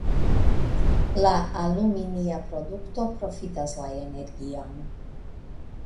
La aluminia produkto profitas la energion.